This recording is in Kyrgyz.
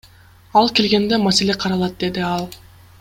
Ал келгенде маселе каралат, — деди ал.